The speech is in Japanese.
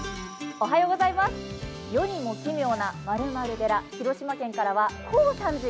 「世にも奇妙な○○寺」